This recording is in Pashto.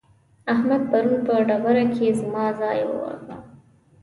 احمد پرون په ډبره کې زما ځای وواهه.